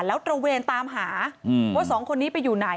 แล้วตระเวนตามหาว่าสองคนนี้ไปอยู่ไหน